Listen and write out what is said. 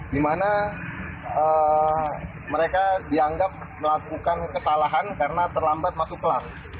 di mana mereka dianggap melakukan kesalahan karena terlambat masuk kelas